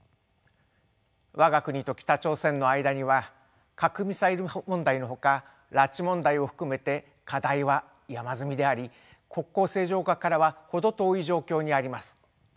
わが国と北朝鮮の間には核ミサイル問題のほか拉致問題を含めて課題は山積みであり国交正常化からは程遠い状況にあります。